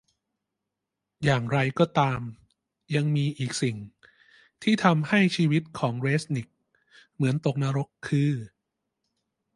อย่างไรก็ตามยังมีอีกสิ่งที่ทำให้ชีวิตของเรซนิคเหมือนตกนรกคือ